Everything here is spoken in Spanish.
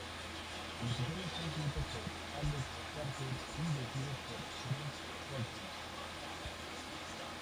El episodio fue escrito por Alex Carter y dirigido por Greg Colton.